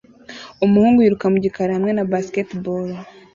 Umuhungu yiruka mu gikari hamwe na basketball